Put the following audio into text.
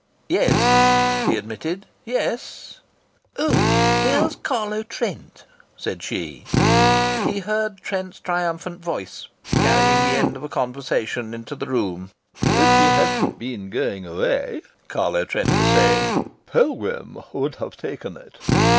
"Yes," he admitted. "Yes." "Oh! Here's Carlo Trent," said she. He heard Trent's triumphant voice, carrying the end of a conversation into the room: "If he hadn't been going away," Carlo Trent was saying, "Pilgrim would have taken it.